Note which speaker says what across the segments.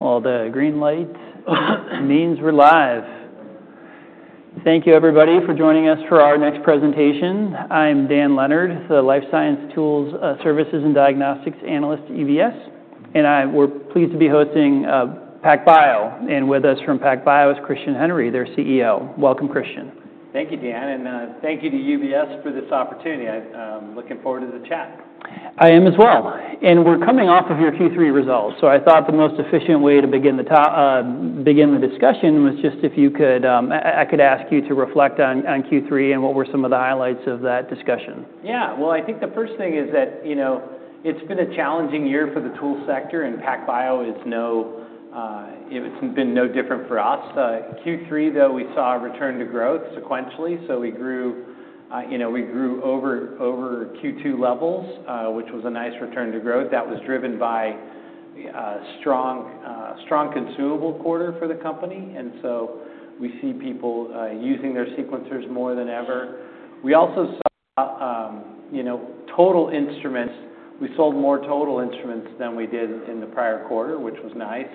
Speaker 1: All the green lights. Means we're live. Thank you, everybody, for joining us for our next presentation. I'm Dan Leonard, the Life Science Tools, Services, and Diagnostics Analyst at UBS, and we're pleased to be hosting PacBio, and with us from PacBio is Christian Henry, their CEO. Welcome, Christian.
Speaker 2: Thank you, Dan. And thank you to UBS for this opportunity. I'm looking forward to the chat.
Speaker 1: I am as well. And we're coming off of your Q3 results. So I thought the most efficient way to begin the discussion was just if you could, I could ask you to reflect on Q3 and what were some of the highlights of that discussion?
Speaker 2: Yeah. Well, I think the first thing is that it's been a challenging year for the tool sector. And PacBio has been no different for us. Q3, though, we saw a return to growth sequentially. So we grew over Q2 levels, which was a nice return to growth. That was driven by a strong consumable quarter for the company. And so we see people using their sequencers more than ever. We also saw total instruments, we sold more total instruments than we did in the prior quarter, which was nice.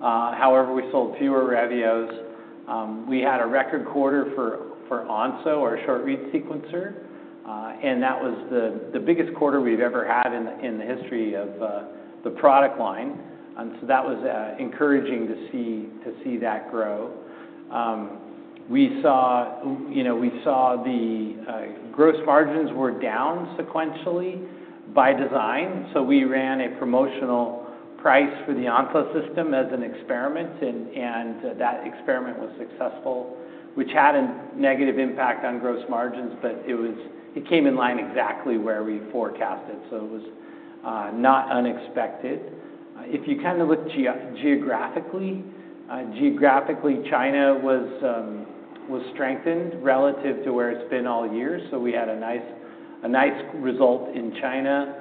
Speaker 2: However, we sold fewer Revios. We had a record quarter for Onso, our short-read sequencer. And that was the biggest quarter we've ever had in the history of the product line. And so that was encouraging to see that grow. We saw the gross margins were down sequentially by design. So we ran a promotional price for the Onso system as an experiment. And that experiment was successful, which had a negative impact on gross margins. But it came in line exactly where we forecasted. So it was not unexpected. If you kind of look geographically, China was strengthened relative to where it's been all years. So we had a nice result in China.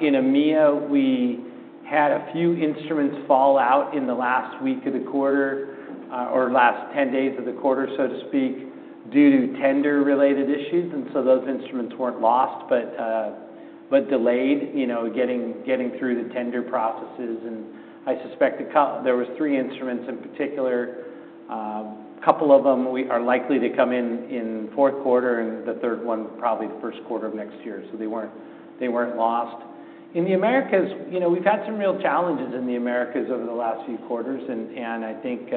Speaker 2: In EMEA, we had a few instruments fall out in the last week of the quarter or last 10 days of the quarter, so to speak, due to tender-related issues. And so those instruments weren't lost but delayed getting through the tender processes. And I suspect there were three instruments in particular. A couple of them are likely to come in in fourth quarter. And the third one, probably the first quarter of next year. So they weren't lost. In the Americas, we've had some real challenges in the Americas over the last few quarters, and I think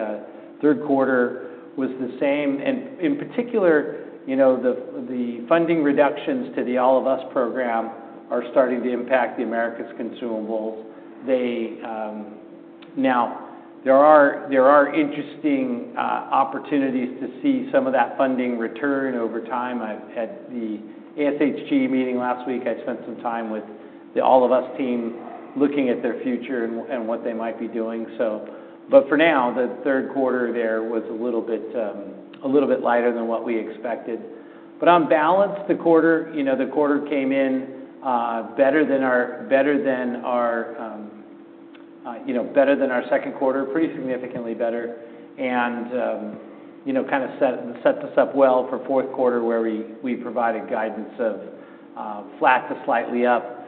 Speaker 2: third quarter was the same, and in particular, the funding reductions to the All of Us program are starting to impact the Americas consumables. Now, there are interesting opportunities to see some of that funding return over time. At the ASHG meeting last week, I spent some time with the All of Us team looking at their future and what they might be doing, but for now, the third quarter there was a little bit lighter than what we expected, but on balance, the quarter came in better than our second quarter, pretty significantly better. And kind of set us up well for fourth quarter, where we provided guidance of flat to slightly up,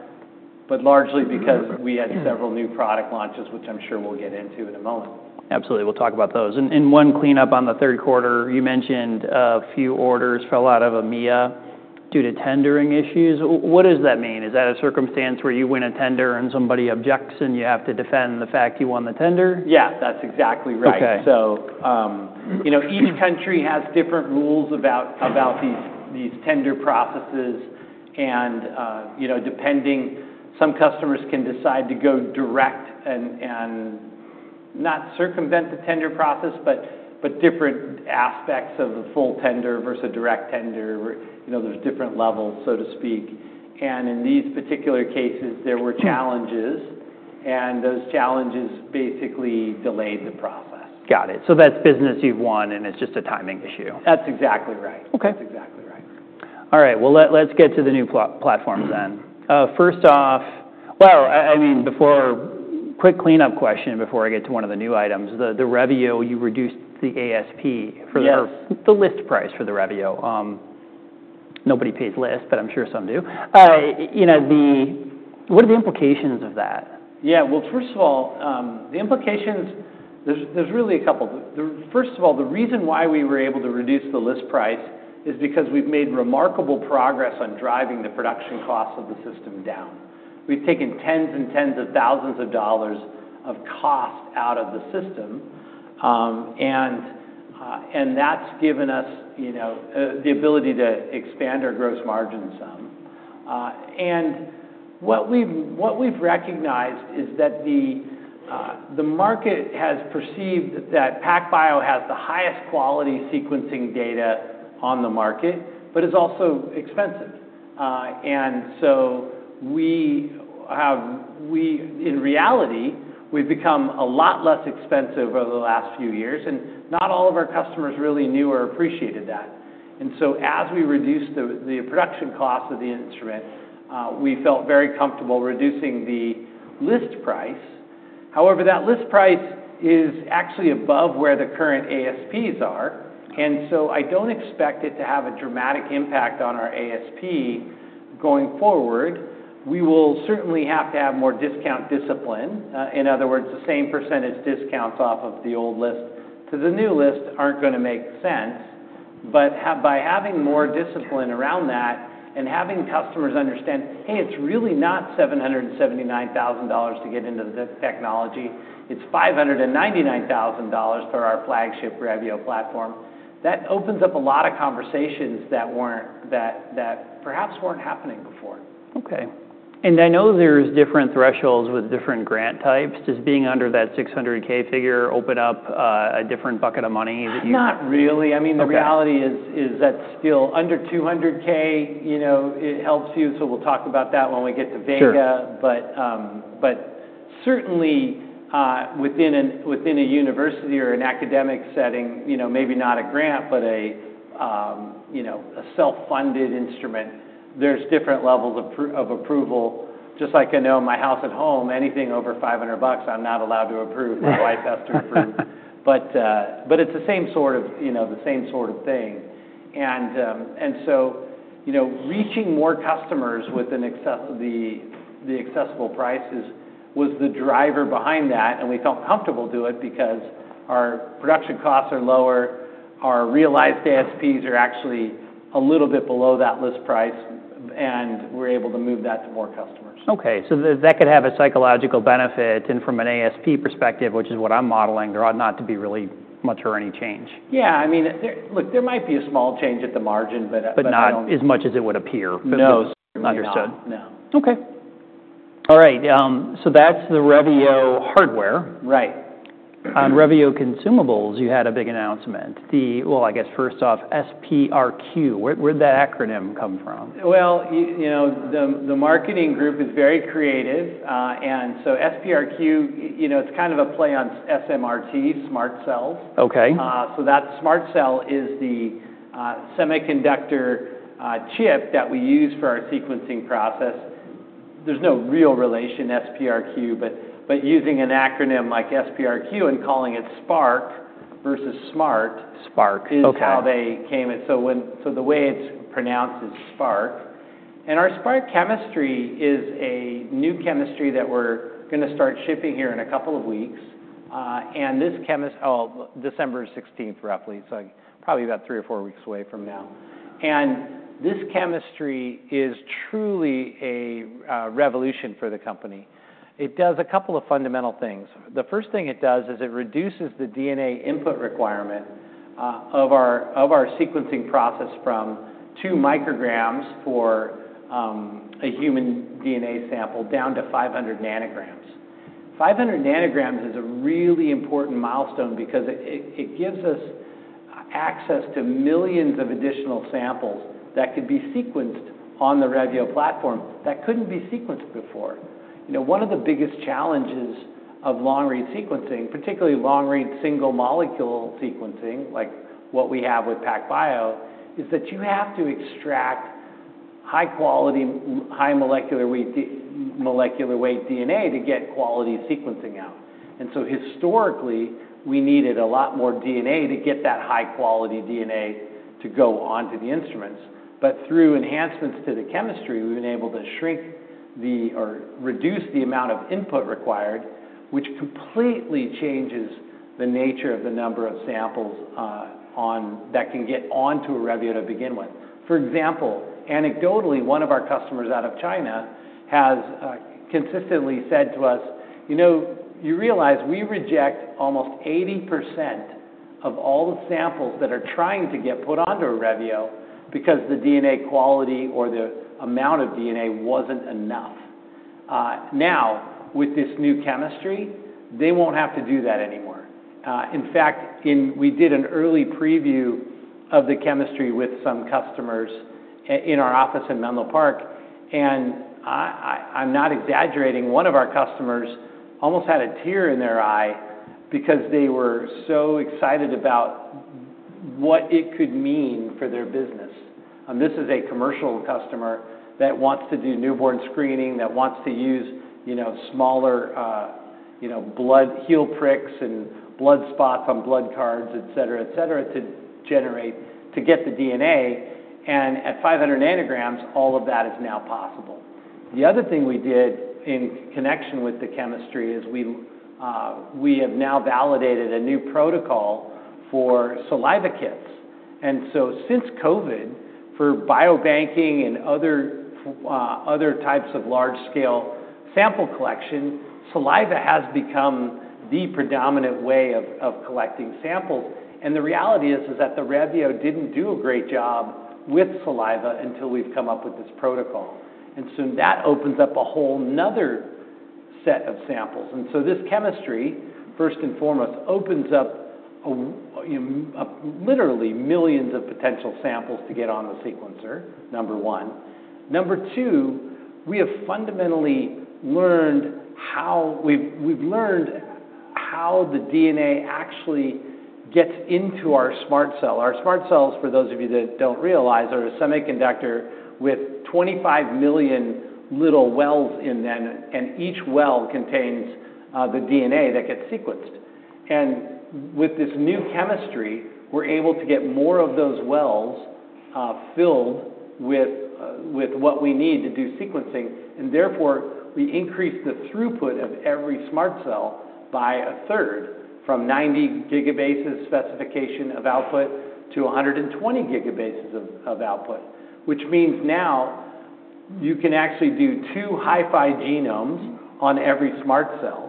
Speaker 2: but largely because we had several new product launches, which I'm sure we'll get into in a moment.
Speaker 1: Absolutely. We'll talk about those. One cleanup on the third quarter. You mentioned a few orders fell out of EMEA due to tendering issues. What does that mean? Is that a circumstance where you win a tender and somebody objects and you have to defend the fact you won the tender?
Speaker 2: Yeah. That's exactly right. So each country has different rules about these tender processes. And depending, some customers can decide to go direct and not circumvent the tender process, but different aspects of the full tender versus direct tender. There's different levels, so to speak. And in these particular cases, there were challenges. And those challenges basically delayed the process.
Speaker 1: Got it. So that's business you've won, and it's just a timing issue.
Speaker 2: That's exactly right. That's exactly right.
Speaker 1: All right. Well, let's get to the new platforms then. First off, well, I mean, before quick cleanup question before I get to one of the new items, the Revio, you reduced the ASP for the list price for the Revio. Nobody pays list, but I'm sure some do. What are the implications of that?
Speaker 2: Yeah. Well, first of all, the implications. There's really a couple. First of all, the reason why we were able to reduce the list price is because we've made remarkable progress on driving the production costs of the system down. We've taken tens and tens of thousands of dollars of cost out of the system, and that's given us the ability to expand our gross margins some. And what we've recognized is that the market has perceived that PacBio has the highest quality sequencing data on the market, but it's also expensive. And so in reality, we've become a lot less expensive over the last few years, and not all of our customers really knew or appreciated that. And so as we reduced the production cost of the instrument, we felt very comfortable reducing the list price. However, that list price is actually above where the current ASPs are. And so I don't expect it to have a dramatic impact on our ASP going forward. We will certainly have to have more discount discipline. In other words, the same percentage discounts off of the old list to the new list aren't going to make sense. But by having more discipline around that and having customers understand, hey, it's really not $779,000 to get into the technology. It's $599,000 for our flagship Revio platform. That opens up a lot of conversations that perhaps weren't happening before.
Speaker 1: Okay. And I know there's different thresholds with different grant types. Does being under that $600,000 figure open up a different bucket of money that you?
Speaker 2: Not really. I mean, the reality is that still under $200,000, it helps you. So we'll talk about that when we get to Vega. But certainly, within a university or an academic setting, maybe not a grant, but a self-funded instrument, there's different levels of approval. Just like I know in my house at home, anything over $500, I'm not allowed to approve. My wife has to approve. But it's the same sort of the same sort of thing. And so reaching more customers with the accessible price was the driver behind that. And we felt comfortable doing it because our production costs are lower. Our realized ASPs are actually a little bit below that list price. And we're able to move that to more customers.
Speaker 1: Okay. So that could have a psychological benefit from an ASP perspective, which is what I'm modeling. There ought not to be really much or any change.
Speaker 2: Yeah. I mean, look, there might be a small change at the margin, but not.
Speaker 1: But not as much as it would appear.
Speaker 2: No.
Speaker 1: Understood.
Speaker 2: No.
Speaker 1: Okay. All right. So that's the Revio hardware.
Speaker 2: Right.
Speaker 1: On Revio consumables, you had a big announcement. Well, I guess first off, SPRQ. Where did that acronym come from?
Speaker 2: The marketing group is very creative. SPRQ, it's kind of a play on SMRT, SMRT Cells. That SMRT Cell is the semiconductor chip that we use for our sequencing process. There's no real relation SPRQ. Using an acronym like SPRQ and calling it Spark versus smart.
Speaker 1: Spark. Okay.
Speaker 2: It's how they came. So the way it's pronounced is Spark. Our SPRQ chemistry is a new chemistry that we're going to start shipping here in a couple of weeks. This chemistry, oh, December 16th, roughly. So probably about three or four weeks away from now. This chemistry is truly a revolution for the company. It does a couple of fundamental things. The first thing it does is it reduces the DNA input requirement of our sequencing process from two micrograms for a human DNA sample down to 500 ng. 500 ng is a really important milestone because it gives us access to millions of additional samples that could be sequenced on the Revio platform that couldn't be sequenced before. One of the biggest challenges of long-read sequencing, particularly long-read single molecule sequencing, like what we have with PacBio, is that you have to extract high-quality, high molecular weight DNA to get quality sequencing out. And so historically, we needed a lot more DNA to get that high-quality DNA to go onto the instruments. But through enhancements to the chemistry, we've been able to shrink or reduce the amount of input required, which completely changes the nature of the number of samples that can get onto a Revio to begin with. For example, anecdotally, one of our customers out of China has consistently said to us, "You realize we reject almost 80% of all the samples that are trying to get put onto a Revio because the DNA quality or the amount of DNA wasn't enough." Now, with this new chemistry, they won't have to do that anymore. In fact, we did an early preview of the chemistry with some customers in our office in Menlo Park, and I'm not exaggerating. One of our customers almost had a tear in their eye because they were so excited about what it could mean for their business, and this is a commercial customer that wants to do newborn screening, that wants to use smaller blood heel pricks and blood spots on blood cards, etc., etc., to get the DNA, and at 500 ng, all of that is now possible. The other thing we did in connection with the chemistry is we have now validated a new protocol for saliva kits, and so since COVID, for biobanking and other types of large-scale sample collection, saliva has become the predominant way of collecting samples. And the reality is that the Revio didn't do a great job with saliva until we've come up with this protocol. And so that opens up a whole nother set of samples. And so this chemistry, first and foremost, opens up literally millions of potential samples to get on the sequencer, number one. Number two, we have fundamentally learned how the DNA actually gets into our SMRT Cell. Our SMRT Cells, for those of you that don't realize, are a semiconductor with 25 million little wells in them. And each well contains the DNA that gets sequenced. And with this new chemistry, we're able to get more of those wells filled with what we need to do sequencing. Therefore, we increase the throughput of every smart cell by a third from 90 gigabases specification of output to 120 gigabases of output, which means now you can actually do two HiFi genomes on every smart cell.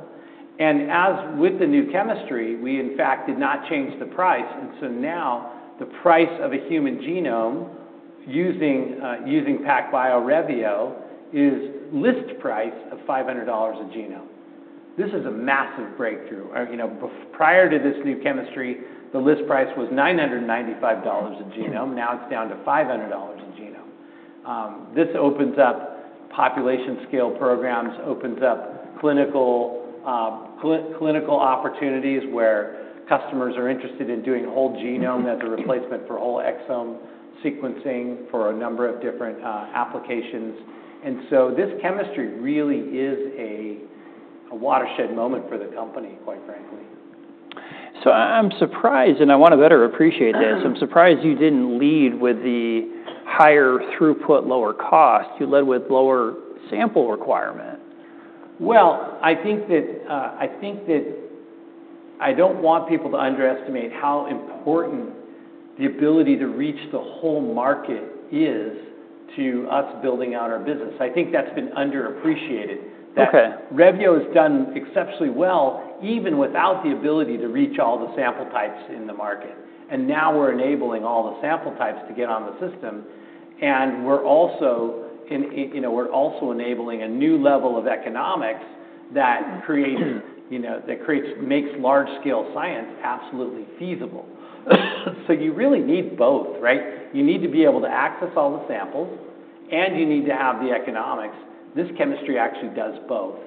Speaker 2: As with the new chemistry, we, in fact, did not change the price. Now the price of a human genome using PacBio Revio is list price of $500 a genome. This is a massive breakthrough. Prior to this new chemistry, the list price was $995 a genome. Now it's down to $500 a genome. This opens up population-scale programs, opens up clinical opportunities where customers are interested in doing whole genome as a replacement for whole exome sequencing for a number of different applications. This chemistry really is a watershed moment for the company, quite frankly.
Speaker 1: So I'm surprised, and I want to better appreciate this. I'm surprised you didn't lead with the higher throughput, lower cost. You led with lower sample requirement.
Speaker 2: I think that I don't want people to underestimate how important the ability to reach the whole market is to us building out our business. I think that's been underappreciated. Revio has done exceptionally well even without the ability to reach all the sample types in the market. And now we're enabling all the sample types to get on the system. And we're also enabling a new level of economics that makes large-scale science absolutely feasible. So you really need both, right? You need to be able to access all the samples, and you need to have the economics. This chemistry actually does both.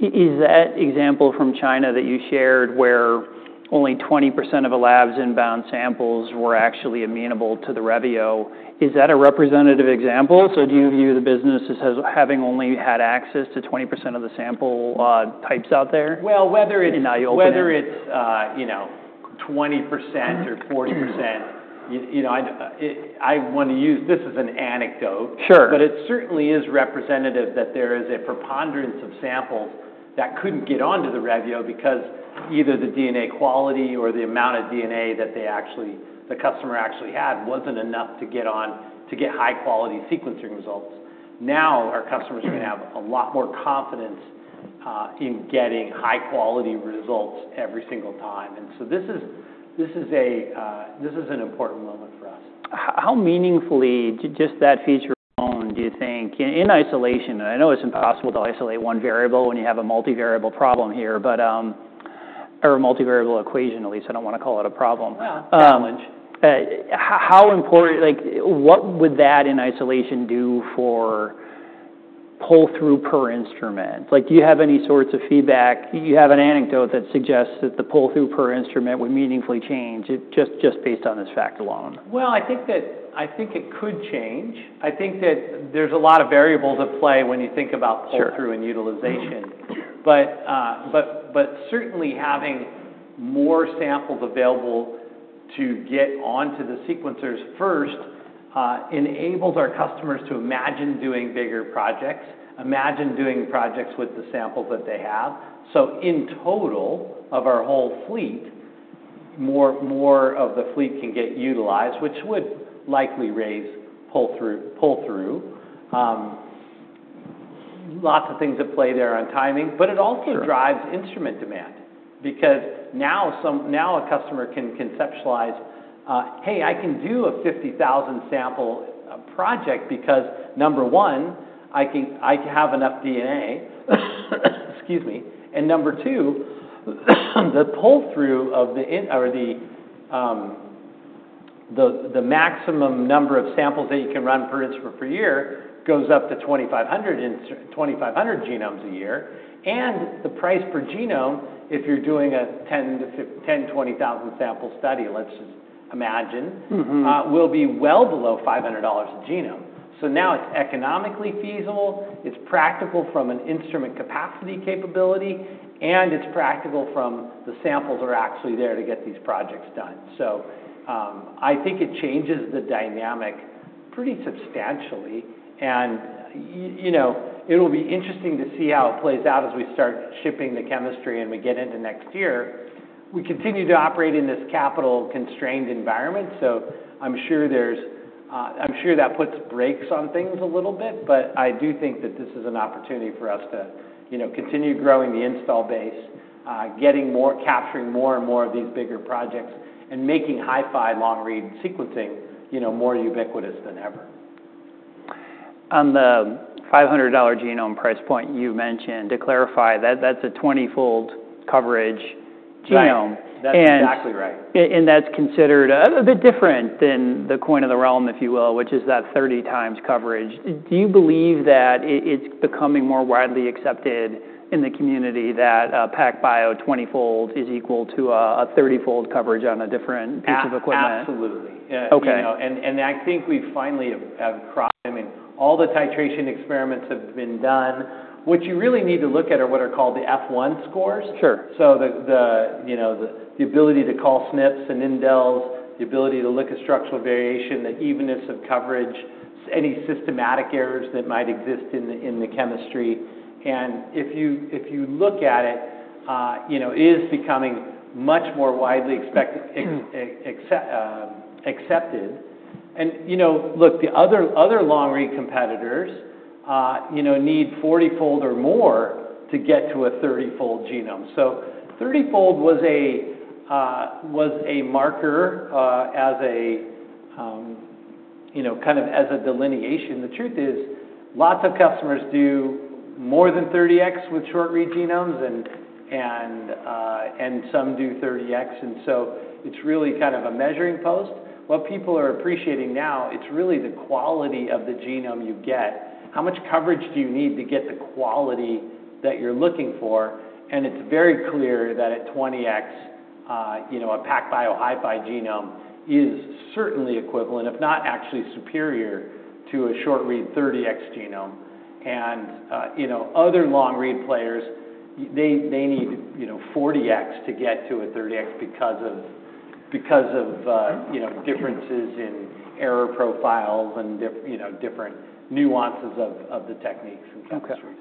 Speaker 1: Is that example from China that you shared where only 20% of a lab's inbound samples were actually amenable to the Revio, is that a representative example? So do you view the business as having only had access to 20% of the sample types out there?
Speaker 2: Whether it's 20% or 40%, I want to use this as an anecdote.
Speaker 1: Sure.
Speaker 2: But it certainly is representative that there is a preponderance of samples that couldn't get onto the Revio because either the DNA quality or the amount of DNA that the customer actually had wasn't enough to get high-quality sequencing results. Now our customers are going to have a lot more confidence in getting high-quality results every single time. And so this is an important moment for us.
Speaker 1: How meaningfully just that feature alone, do you think, in isolation? I know it's impossible to isolate one variable when you have a multivariable problem here, or a multivariable equation, at least. I don't want to call it a problem.
Speaker 2: Well, challenge.
Speaker 1: How important? What would that in isolation do for pull-through per instrument? Do you have any sorts of feedback? You have an anecdote that suggests that the pull-through per instrument would meaningfully change just based on this fact alone.
Speaker 2: I think it could change. I think that there's a lot of variables at play when you think about pull-through and utilization. But certainly, having more samples available to get onto the sequencers first enables our customers to imagine doing bigger projects, imagine doing projects with the samples that they have. So in total of our whole fleet, more of the fleet can get utilized, which would likely raise pull-through. Lots of things at play there on timing. But it also drives instrument demand because now a customer can conceptualize, "Hey, I can do a 50,000-sample project because, number one, I have enough DNA." Excuse me, and number two, the pull-through of the maximum number of samples that you can run per instrument per year goes up to 2,500 genomes a year. The price per genome, if you're doing a 10,000-20,000-sample study, let's just imagine, will be well below $500 a genome. Now it's economically feasible. It's practical from an instrument capacity capability. It's practical from the samples are actually there to get these projects done. I think it changes the dynamic pretty substantially. It'll be interesting to see how it plays out as we start shipping the chemistry and we get into next year. We continue to operate in this capital-constrained environment. I'm sure that puts brakes on things a little bit. I do think that this is an opportunity for us to continue growing the install base, capturing more and more of these bigger projects, and making HiFi long-read sequencing more ubiquitous than ever.
Speaker 1: On the $500 genome price point you mentioned, to clarify, that's a 20-fold coverage genome.
Speaker 2: That's exactly right.
Speaker 1: And that's considered a bit different than the coin of the realm, if you will, which is that 30 times coverage. Do you believe that it's becoming more widely accepted in the community that PacBio 20-fold is equal to a 30-fold coverage on a different piece of equipment?
Speaker 2: Absolutely, and I think we finally have crossed. I mean, all the titration experiments have been done. What you really need to look at are what are called the F1 scores.
Speaker 1: Sure.
Speaker 2: So the ability to call SNPs and indels, the ability to look at structural variation, the evenness of coverage, any systematic errors that might exist in the chemistry. And if you look at it, it is becoming much more widely accepted. And look, the other long-read competitors need 40-fold or more to get to a 30-fold genome. So 30-fold was a marker kind of as a delineation. The truth is lots of customers do more than 30x with short-read genomes, and some do 30x. And so it's really kind of a measuring post. What people are appreciating now, it's really the quality of the genome you get. How much coverage do you need to get the quality that you're looking for? And it's very clear that at 20x, a PacBio HiFi genome is certainly equivalent, if not actually superior, to a short-read 30x genome. Other long-read players, they need 40x to get to a 30x because of differences in error profiles and different nuances of the techniques and chemistries.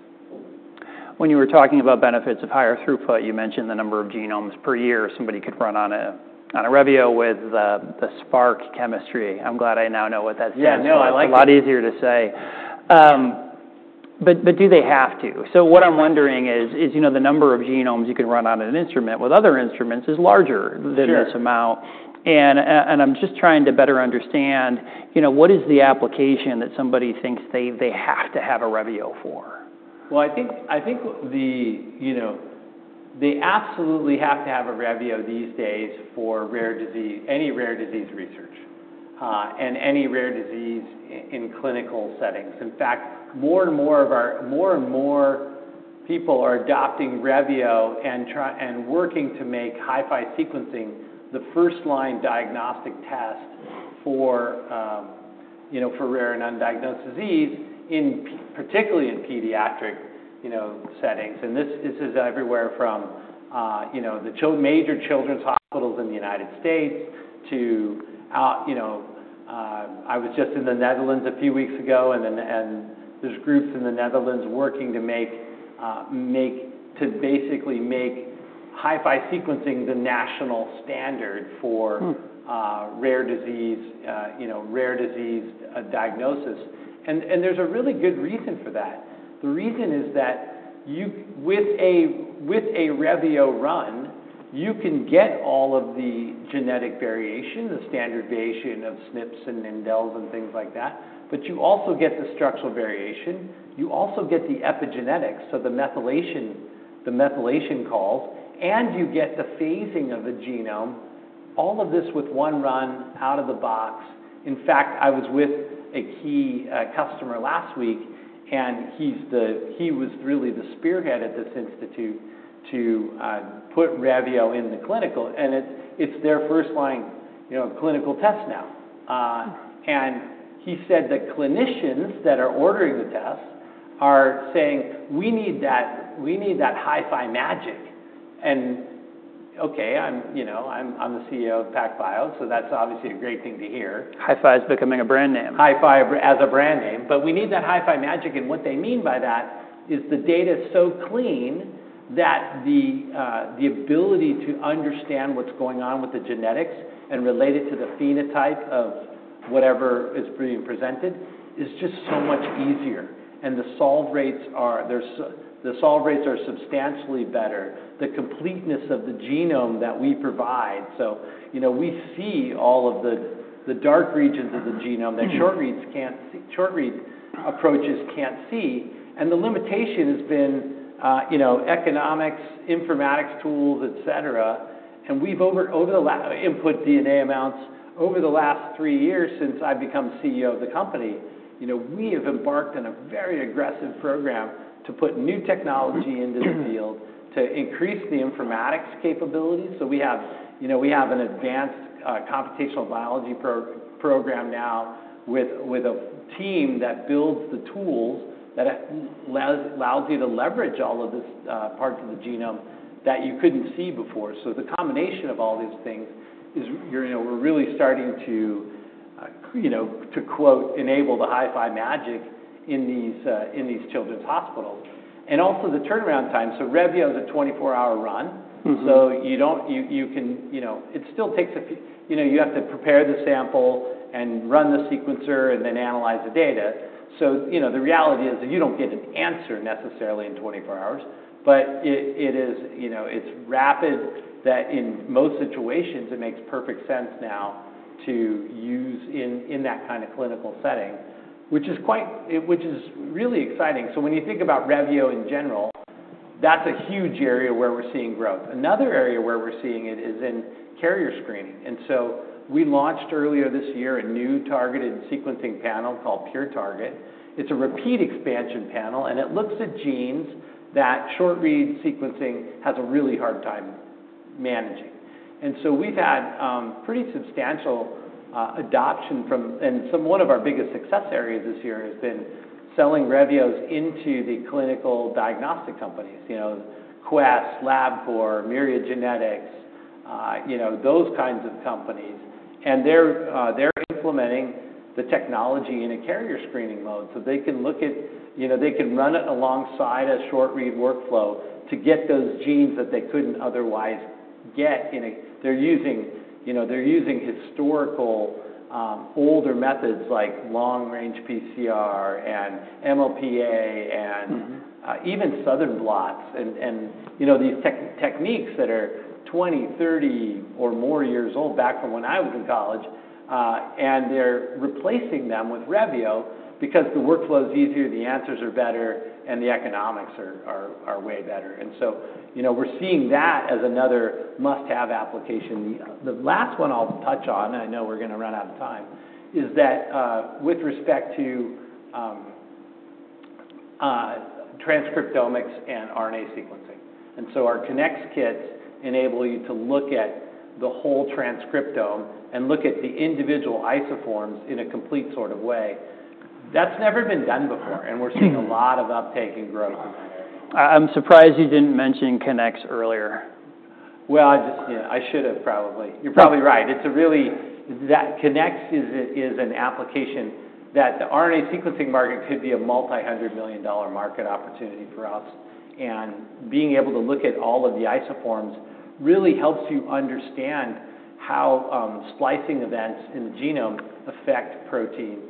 Speaker 1: When you were talking about benefits of higher throughput, you mentioned the number of genomes per year somebody could run on a Revio with the SPRQ chemistry. I'm glad I now know what that stands for.
Speaker 2: Yeah, no, I like it.
Speaker 1: It's a lot easier to say. But do they have to? So what I'm wondering is the number of genomes you can run on an instrument with other instruments is larger than this amount. And I'm just trying to better understand what is the application that somebody thinks they have to have a Revio for?
Speaker 2: I think they absolutely have to have a Revio these days for any rare disease research and any rare disease in clinical settings. In fact, more and more of our people are adopting Revio and working to make HiFi sequencing the first-line diagnostic test for rare and undiagnosed disease, particularly in pediatric settings. This is everywhere from the major children's hospitals in the United States to I was just in the Netherlands a few weeks ago, and there's groups in the Netherlands working to basically make HiFi sequencing the national standard for rare disease diagnosis. There's a really good reason for that. The reason is that with a Revio run, you can get all of the genetic variation, the standard variation of SNPs and indels and things like that. You also get the structural variation. You also get the epigenetics, so the methylation calls. You get the phasing of the genome. All of this with one run out of the box. In fact, I was with a key customer last week, and he was really the spearhead at this institute to put Revio in the clinical. It's their first-line clinical test now. He said the clinicians that are ordering the tests are saying, "We need that HiFi magic." Okay, I'm the CEO of PacBio, so that's obviously a great thing to hear.
Speaker 1: HiFi is becoming a brand name.
Speaker 2: HiFi as a brand name, but we need that HiFi magic. And what they mean by that is the data is so clean that the ability to understand what's going on with the genetics and relate it to the phenotype of whatever is being presented is just so much easier. And the solve rates are substantially better. The completeness of the genome that we provide, so we see all of the dark regions of the genome that short-read approaches can't see. And the limitation has been economics, informatics tools, etc. And we've lowered the input DNA amounts over the last three years since I've become CEO of the company. We have embarked on a very aggressive program to put new technology into the field to increase the informatics capabilities. So we have an advanced computational biology program now with a team that builds the tools that allows you to leverage all of these parts of the genome that you couldn't see before. So the combination of all these things is we're really starting to, quote, "enable the HiFi magic" in these children's hospitals. And also the turnaround time. So Revio is a 24-hour run. So it still takes. You have to prepare the sample and run the sequencer and then analyze the data. So the reality is that you don't get an answer necessarily in 24 hours. But it's rapid, that in most situations, it makes perfect sense now to use in that kind of clinical setting, which is really exciting. So when you think about Revio in general, that's a huge area where we're seeing growth. Another area where we're seeing it is in carrier screening. So we launched earlier this year a new targeted sequencing panel called PureTarget. It's a repeat expansion panel. And it looks at genes that short-read sequencing has a really hard time managing. So we've had pretty substantial adoption, and one of our biggest success areas this year has been selling Revios into the clinical diagnostic companies, Quest, Labcorp, Myriad Genetics, those kinds of companies. And they're implementing the technology in a carrier screening mode so they can run it alongside a short-read workflow to get those genes that they couldn't otherwise get. They're using historical older methods like long-range PCR and MLPA and even Southern blots and these techniques that are 20, 30, or more years old back from when I was in college. And they're replacing them with Revio because the workflow is easier, the answers are better, and the economics are way better. And so we're seeing that as another must-have application. The last one I'll touch on, and I know we're going to run out of time, is that with respect to transcriptomics and RNA sequencing. And so our Kinnex kits enable you to look at the whole transcriptome and look at the individual isoforms in a complete sort of way. That's never been done before. And we're seeing a lot of uptake and growth in that area.
Speaker 1: I'm surprised you didn't mention Kinnex earlier.
Speaker 2: I should have probably. You're probably right. It's really. Kinnex is an application that the RNA sequencing market could be a multi-hundred-million-dollar market opportunity for us. Being able to look at all of the isoforms really helps you understand how splicing events in the genome affect protein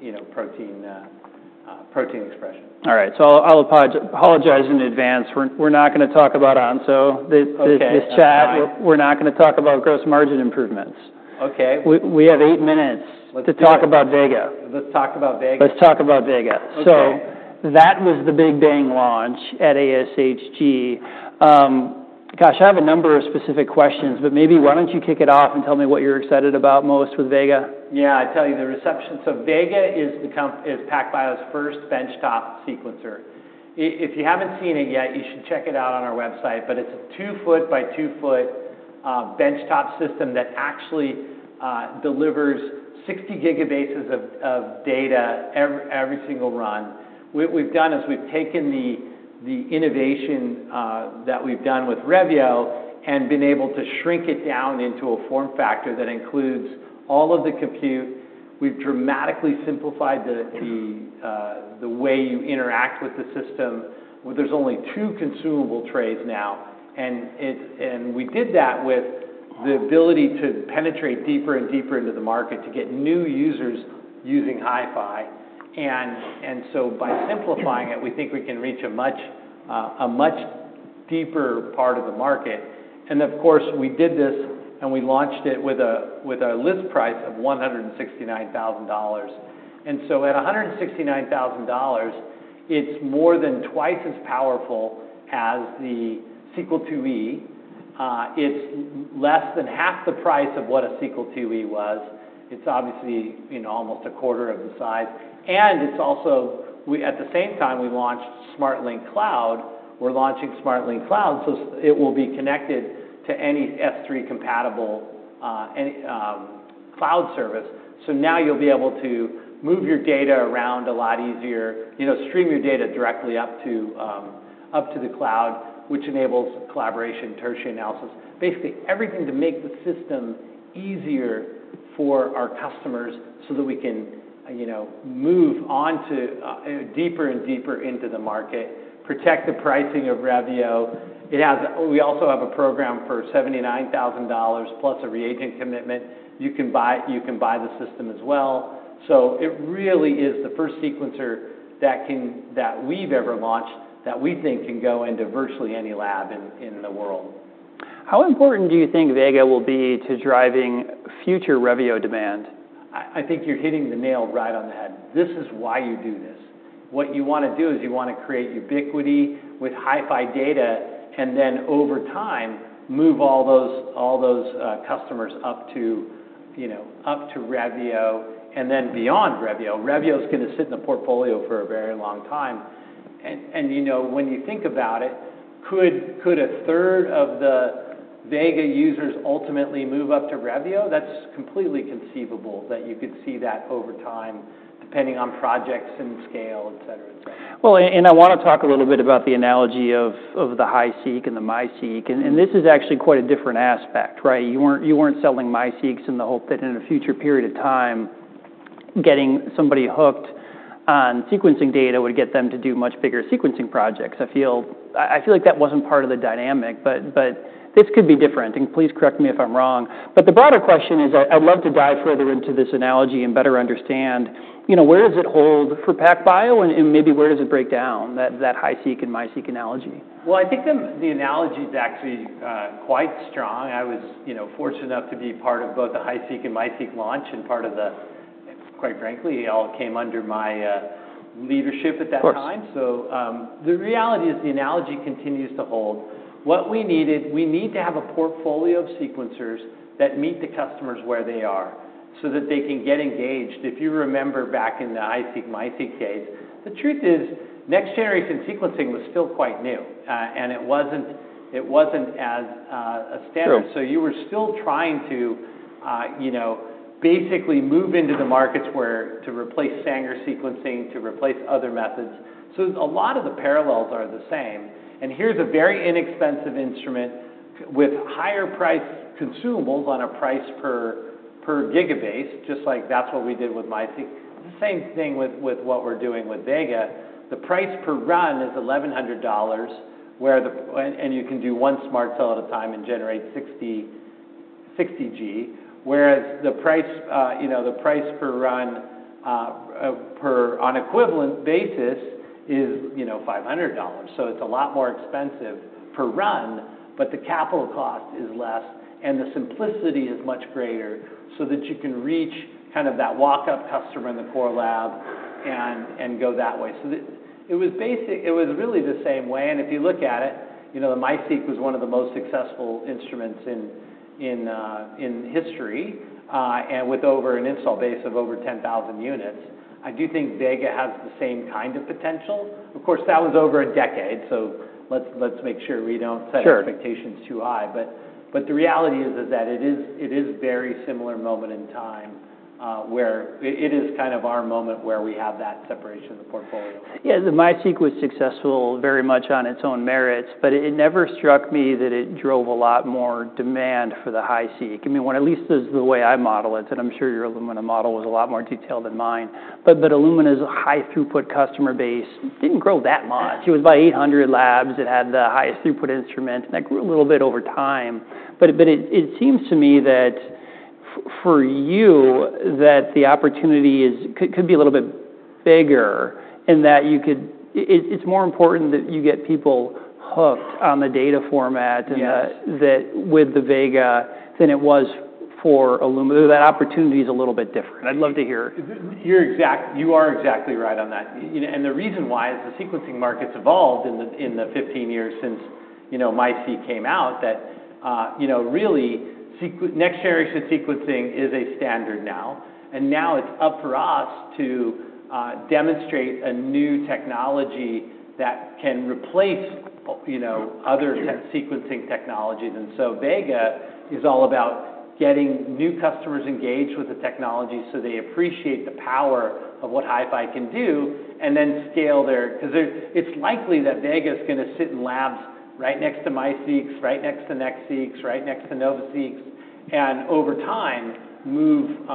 Speaker 2: expression.
Speaker 1: All right. So I'll apologize in advance. We're not going to talk about Onso, this chat. We're not going to talk about gross margin improvements.
Speaker 2: Okay.
Speaker 1: We have eight minutes to talk about Vega.
Speaker 2: Let's talk about Vega.
Speaker 1: Let's talk about Vega. So that was the Big Bang launch at ASHG. Gosh, I have a number of specific questions. But maybe why don't you kick it off and tell me what you're excited about most with Vega?
Speaker 2: Yeah, I tell you the reception. So Vega is PacBio's first benchtop sequencer. If you haven't seen it yet, you should check it out on our website. But it's a 2 ft by 2 ft benchtop system that actually delivers 60 gigabases of data every single run. What we've done is we've taken the innovation that we've done with Revio and been able to shrink it down into a form factor that includes all of the compute. We've dramatically simplified the way you interact with the system. There's only two consumable trays now. And we did that with the ability to penetrate deeper and deeper into the market to get new users using HiFi. And so by simplifying it, we think we can reach a much deeper part of the market. And of course, we did this, and we launched it with a list price of $169,000. And so at $169,000, it's more than twice as powerful as the Sequel IIe. It's less than half the price of what a Sequel IIe was. It's obviously almost a quarter of the size. And at the same time, we launched SMRT Link Cloud. We're launching SMRT Link Cloud. So it will be connected to any S3-compatible cloud service. So now you'll be able to move your data around a lot easier, stream your data directly up to the cloud, which enables collaboration, tertiary analysis, basically everything to make the system easier for our customers so that we can move deeper and deeper into the market, protect the pricing of Revio. We also have a program for $79,000 plus a reagent commitment. You can buy the system as well. So it really is the first sequencer that we've ever launched that we think can go into virtually any lab in the world.
Speaker 1: How important do you think Vega will be to driving future Revio demand?
Speaker 2: I think you're hitting the nail right on the head. This is why you do this. What you want to do is you want to create ubiquity with HiFi data and then over time move all those customers up to Revio and then beyond Revio. Revio is going to sit in the portfolio for a very long time. And when you think about it, could a third of the Vega users ultimately move up to Revio? That's completely conceivable that you could see that over time depending on projects and scale, etc., etc.
Speaker 1: Well, and I want to talk a little bit about the analogy of the HiSeq and the MiSeq. And this is actually quite a different aspect, right? You weren't selling MiSeqs in the hope that in a future period of time, getting somebody hooked on sequencing data would get them to do much bigger sequencing projects. I feel like that wasn't part of the dynamic. But this could be different. And please correct me if I'm wrong. But the broader question is I'd love to dive further into this analogy and better understand where does it hold for PacBio and maybe where does it break down, that HiSeq and MiSeq analogy?
Speaker 2: I think the analogy is actually quite strong. I was fortunate enough to be part of both the HiSeq and MiSeq launch and part of the quite frankly, it all came under my leadership at that time. So the reality is the analogy continues to hold. What we needed, we need to have a portfolio of sequencers that meet the customers where they are so that they can get engaged. If you remember back in the HiSeq, MiSeq phase, the truth is next-generation sequencing was still quite new, and it wasn't as standard. So you were still trying to basically move into the markets to replace Sanger sequencing, to replace other methods. So a lot of the parallels are the same, and here's a very inexpensive instrument with higher price consumables on a price per gigabase, just like that's what we did with MiSeq. The same thing with what we're doing with Vega. The price per run is $1,100, and you can do one smart cell at a time and generate 60G. Whereas the price per run on an equivalent basis is $500. So it's a lot more expensive per run, but the capital cost is less, and the simplicity is much greater so that you can reach kind of that walk-up customer in the core lab and go that way. So it was really the same way. If you look at it, the MiSeq was one of the most successful instruments in history and with an installed base of over 10,000 units. I do think Vega has the same kind of potential. Of course, that was over a decade. So let's make sure we don't set expectations too high. But the reality is that it is a very similar moment in time where it is kind of our moment where we have that separation of the portfolio.
Speaker 1: Yeah, the MiSeq was successful very much on its own merits. But it never struck me that it drove a lot more demand for the HiSeq. I mean, at least this is the way I model it. And I'm sure your Illumina model was a lot more detailed than mine. But Illumina's high-throughput customer base didn't grow that much. It was by 800 labs. It had the highest-throughput instrument. And that grew a little bit over time. But it seems to me that for you, that the opportunity could be a little bit bigger and that it's more important that you get people hooked on the data format with the Vega than it was for Illumina. That opportunity is a little bit different. I'd love to hear.
Speaker 2: You are exactly right on that, and the reason why is the sequencing market has evolved in the 15 years since MiSeq came out, that really next-generation sequencing is a standard now, and now it's up for us to demonstrate a new technology that can replace other sequencing technologies, and so Vega is all about getting new customers engaged with the technology so they appreciate the power of what HiFi can do and then scale there because it's likely that Vega is going to sit in labs right next to MiSeqs, right next to NextSeqs, right next to NovaSeqs, and over time move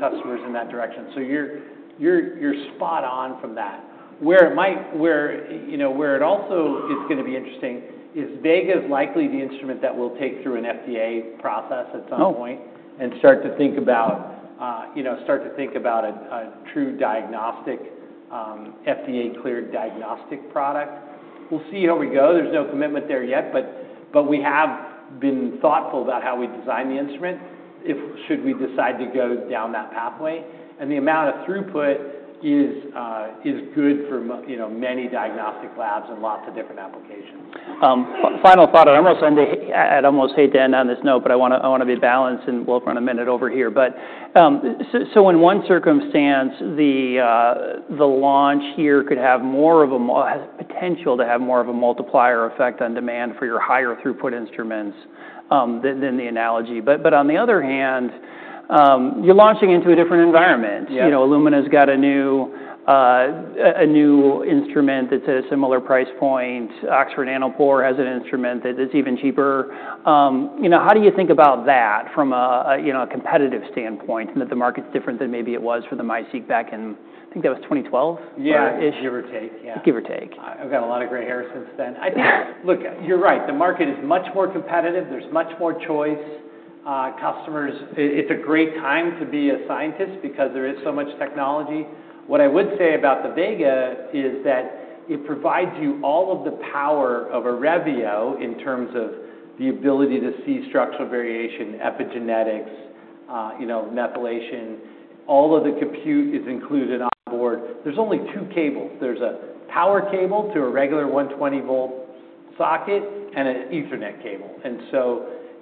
Speaker 2: customers in that direction, so you're spot on with that. Where it also is going to be interesting is Vega is likely the instrument that will take through an FDA process at some point and start to think about a true diagnostic FDA-cleared diagnostic product. We'll see how we go. There's no commitment there yet. But we have been thoughtful about how we design the instrument should we decide to go down that pathway. And the amount of throughput is good for many diagnostic labs and lots of different applications.
Speaker 1: Final thought. I almost hate to end on this note, but I want to be balanced and we'll run a minute over here. But so in one circumstance, the launch here could have more of a potential to have more of a multiplier effect on demand for your higher-throughput instruments than the analogy. But on the other hand, you're launching into a different environment. Illumina's got a new instrument that's at a similar price point. Oxford Nanopore has an instrument that is even cheaper. How do you think about that from a competitive standpoint in that the market's different than maybe it was for the MiSeq back in, I think that was 2012-ish?
Speaker 2: Yeah, give or take.
Speaker 1: Give or take.
Speaker 2: I've got a lot of gray hair since then. I think, look, you're right. The market is much more competitive. There's much more choice. It's a great time to be a scientist because there is so much technology. What I would say about the Vega is that it provides you all of the power of a Revio in terms of the ability to see structural variation, epigenetics, methylation. All of the compute is included on board. There's only two cables. There's a power cable to a regular 120 V socket and an Ethernet cable.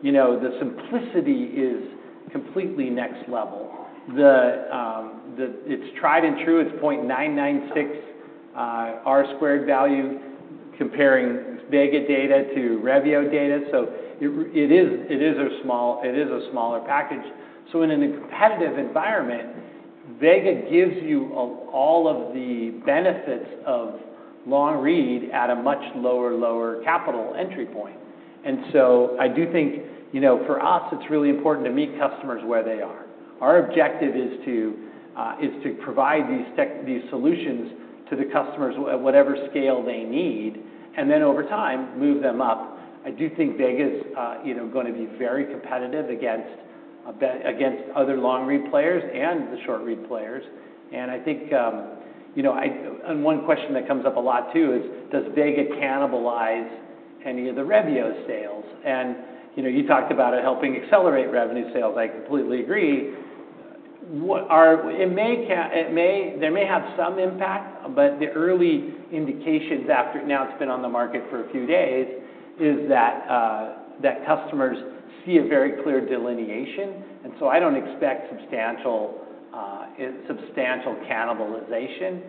Speaker 2: And so the simplicity is completely next level. It's tried and true. It's 0.996 R-squared value comparing Vega data to Revio data. So it is a smaller package. So in a competitive environment, Vega gives you all of the benefits of long read at a much lower, lower capital entry point. And so I do think for us, it's really important to meet customers where they are. Our objective is to provide these solutions to the customers at whatever scale they need and then over time move them up. I do think Vega's going to be very competitive against other long read players and the short read players. And I think one question that comes up a lot too is, does Vega cannibalize any of the Revio sales? And you talked about it helping accelerate Revio sales. I completely agree. There may have some impact, but the early indications after now it's been on the market for a few days is that customers see a very clear delineation. And so I don't expect substantial cannibalization.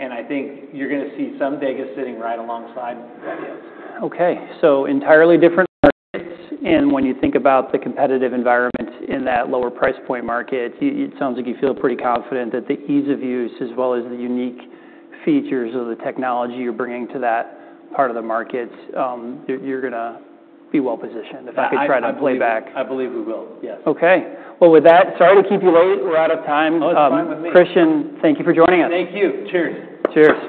Speaker 2: And I think you're going to see some Vega sitting right alongside Revio's.
Speaker 1: Okay, so entirely different markets and when you think about the competitive environment in that lower price point market, it sounds like you feel pretty confident that the ease of use as well as the unique features of the technology you're bringing to that part of the market, you're going to be well positioned if I could try to play back.
Speaker 2: I believe we will, yes.
Speaker 1: Okay. Well, with that, sorry to keep you late. We're out of time.
Speaker 2: Oh, it's fine with me.
Speaker 1: Christian, thank you for joining us.
Speaker 2: Thank you. Cheers.
Speaker 1: Cheers.